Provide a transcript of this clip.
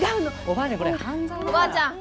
おばあちゃん